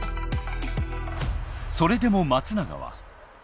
それでも松永は。